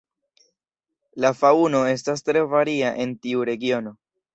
La faŭno estas tre varia en tiu regiono.